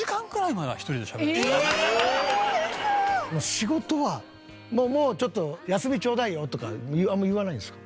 仕事は「もうちょっと休みちょうだいよ」とかあんま言わないんですか？